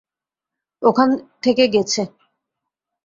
ওখান থেকে গেছে।